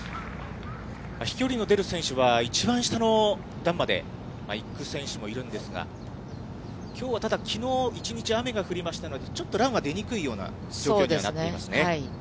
飛距離の出る選手は、一番下の段までいく選手もいるんですが、きょうはただ、きのう一日、雨が降りましたので、ちょっとランは出にくいようなコース状況になっていますね。